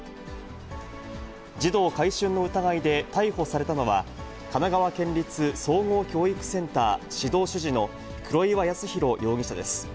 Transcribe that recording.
児童買春の疑いで逮捕されたのは、神奈川県立総合教育センター指導主事の黒岩康宏容疑者です。